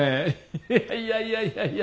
いやいやいやいやいや。